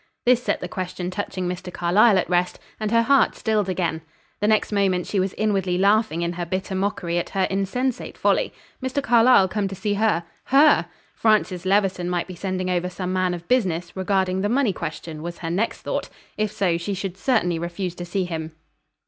This set the question touching Mr. Carlyle at rest, and her heart stilled again. The next moment she was inwardly laughing in her bitter mockery at her insensate folly. Mr. Carlyle come to see her! Her! Francis Levison might be sending over some man of business, regarding the money question, was her next thought: if so, she should certainly refuse to see him.